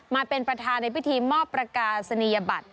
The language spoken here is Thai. มาเป็นประธานในพิธีมอบประกาศนียบัตร